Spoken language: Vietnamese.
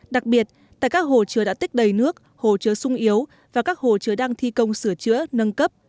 đặc biệt tại các hồ chứa đã tích đầy nước hồ chứa sung yếu và các hồ chứa đang thi công sửa chữa nâng cấp